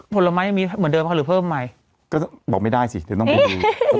ผลไม้ยังมีเหมือนเดิมค่ะหรือเพิ่มไหมก็บอกไม่ได้สิเดี๋ยวต้องไปดู